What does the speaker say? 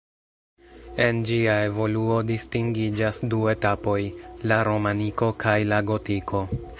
En ĝia evoluo distingiĝas du etapoj: la romaniko kaj la gotiko.